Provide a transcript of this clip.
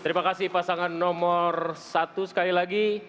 terima kasih pasangan nomor satu sekali lagi